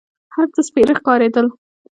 هر څه سپېره ښکارېدل.